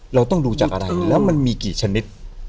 เราต้องดูจากอะไรแล้วมันมีกี่ชนิด